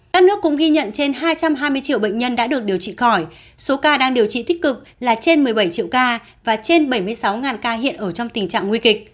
các nước cũng ghi nhận trên hai trăm hai mươi triệu bệnh nhân đã được điều trị khỏi số ca đang điều trị thích cực là trên một mươi bảy triệu ca và trên bảy mươi sáu ca hiện ở trong tình trạng nguy kịch